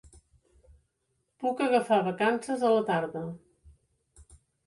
Puc agafar vacances a la tarda.